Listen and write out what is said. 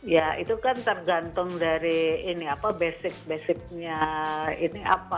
ya itu kan tergantung dari ini apa basic basicnya ini apa